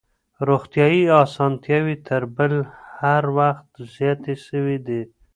روغتيايي اسانتياوې تر بل هر وخت زياتي سوي دي.